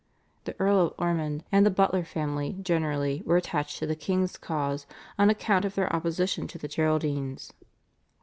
The Earl of Ormond and the Butler family generally were attached to the king's cause on account of their opposition to the Geraldines.